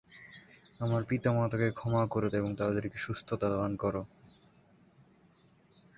দশম শতাব্দীতে জাভা দ্বীপপুঞ্জের বণিকেরা দক্ষিণ-পূর্ব বাংলা এবং দক্ষিণ-পূর্ব এশিয়ার মধ্যে সমুদ্র সংযোগ ও বাণিজ্য করার পথ সুগম করে।